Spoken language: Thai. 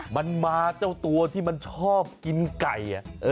มันมาเจ้าตัวที่มันชอบกินไก่